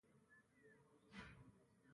د بنسټي بدلون په لور حرکت یې کولای شو